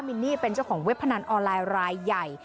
ินนี่เป็นเจ้าของเว็บพนันออนไลน์รายใหญ่